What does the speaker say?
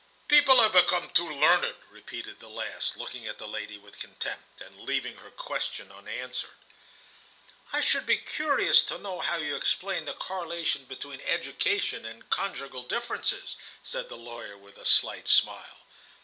"People have become too learned," repeated the last, looking at the lady with contempt, and leaving her question unanswered. "I should be curious to know how you explain the correlation between education and conjugal differences," said the lawyer, with a slight smile.